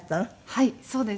はいそうです。